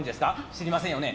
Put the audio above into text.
知りませんよね。